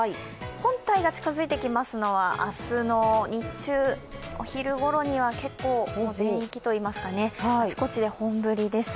本体が近づいてきますのは明日の日中、お昼ごろには結構全域といいますかあちこちで本降りです。